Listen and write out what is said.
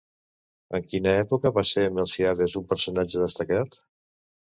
En quina època va ser Milcíades un personatge destacat?